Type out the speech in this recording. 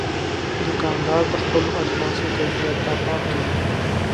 دوکاندار د خپلو اجناسو کیفیت ته پام کوي.